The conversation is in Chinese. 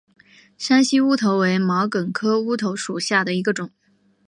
山西乌头为毛茛科乌头属下的一个种。